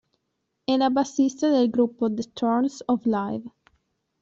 È la bassista del gruppo The Thorns of Life.